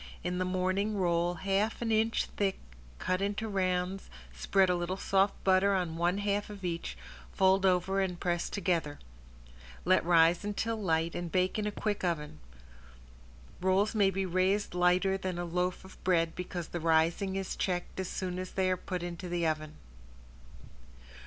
In the morning roll half an inch thick cut into rounds, spread a little soft butter on one half of each, fold over and press together. Let rise until light and bake in a quick oven. Rolls may be raised lighter than a loaf of bread because the rising is checked as soon as they are put into the oven.